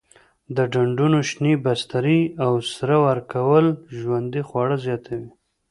د ډنډونو شینې بسترې او سره ورکول ژوندي خواړه زیاتوي.